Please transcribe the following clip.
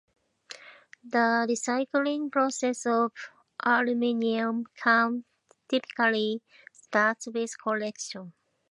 The recycling process of aluminium cans typically starts with collection.